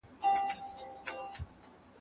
د قانون چوکاټ يې مات نه کړ.